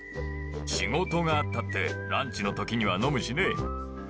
仕事があったってランチのときには飲むしね。